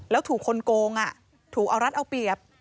แล้วถูกคนโกงถูกเอารัดเอาเปรียบ